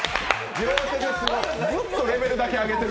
ずっとレベルだけ上げてる。